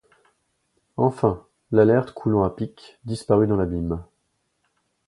Enfin, l’Alert, coulant à pic, disparut dans l’abîme.